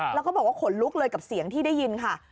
แล้วก็บอกว่าขนลุกเลยกับเสียงที่ได้ยินค่ะ